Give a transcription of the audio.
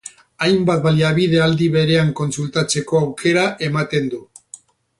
Hainbat baliabide aldi berean kontsultatzeko aukera ematen du.